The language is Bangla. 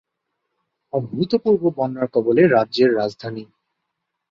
অভূতপূর্ব বন্যার কবলে রাজ্যের রাজধানী।